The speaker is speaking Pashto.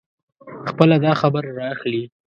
خپله داخبره را اخلي.